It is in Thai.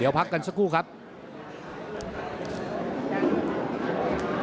อัศวินาฬิกาศาสุภาษณ์